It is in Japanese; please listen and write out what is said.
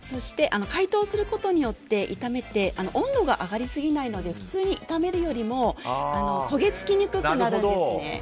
そして、解凍することによって炒めても温度が上がり過ぎないので普通に炒めるよりも焦げ付きにくくなるんですね。